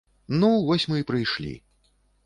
Ну, вось мы і прыйшлі.